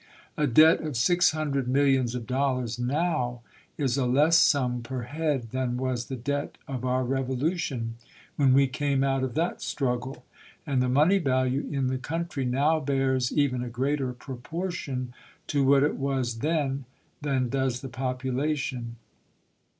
A debt of six hundred millions of dollars now is a less sum per head than was the debt of our Revolution when we came out of that struggle ; and the money value in the country now bears even a greater proportion to what it was then than does the population.